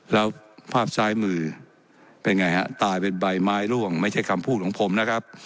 แล้วภาพซ้ายมือเป็นไงฮะตายเป็นใบไม้ร่วงไม่ใช่คำพูดของผมนะครับ